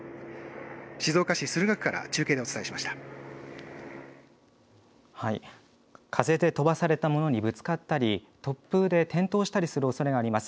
静岡市駿河区から中継でお伝えし風で飛ばされたものにぶつかったり、突風で転倒したりするおそれがあります。